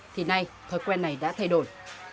thì nay thói quen này đã thay đổi